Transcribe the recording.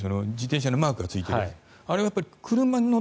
特に自転車のマークがついているもの。